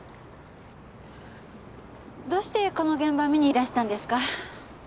どうしてこの現場見にいらしたんですか？